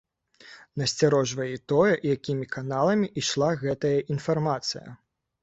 Насцярожвае і тое, якімі каналамі ішла гэтая інфармацыя.